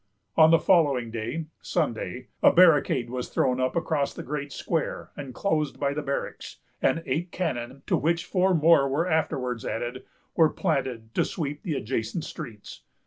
On the following day, Sunday, a barricade was thrown up across the great square enclosed by the barracks; and eight cannon, to which four more were afterwards added, were planted to sweep the adjacent streets.